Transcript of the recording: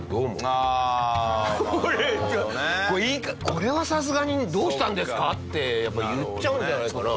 これはさすがに「どうしたんですか！？」って言っちゃうんじゃないかな。